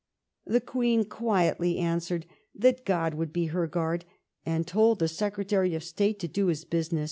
The Queen quietly answered that God would be her guard, and told the Secretary of State to do his duty.